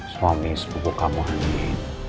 suami sepupu kamu ini